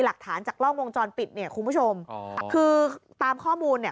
หลักฐานจากกล้องวงจรปิดเนี่ยคุณผู้ชมอ๋อคือตามข้อมูลเนี่ย